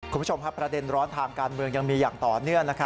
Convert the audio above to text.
คุณผู้ชมครับประเด็นร้อนทางการเมืองยังมีอย่างต่อเนื่อง